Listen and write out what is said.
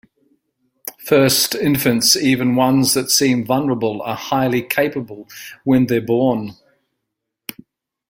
First, infants, even ones that seem vulnerable, are highly capable when they are born.